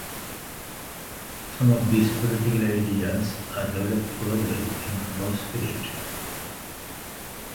Some of these political ideas are developed further in "Raw Spirit".